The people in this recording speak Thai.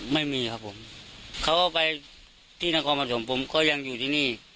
ไม่มีครับผมเขาก็ไปที่นครปฐมผมก็ยังอยู่ที่นี่